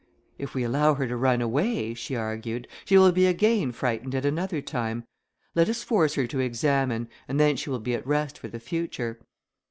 "If we allow her to run away," she argued, "she will be again frightened at another time. Let us force her to examine, and then she will be at rest for the future."